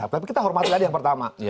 tapi kita hormati tadi yang pertama